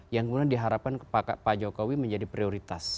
yang kemudian diharapkan pak jokowi menjadi prioritas